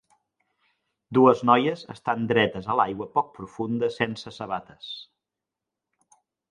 Dues noies estan dretes a l'aigua poc profunda sense sabates.